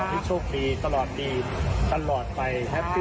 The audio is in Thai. พี่โชคดีตลอดดีตลอดไป